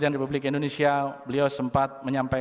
untuk ayah tercinta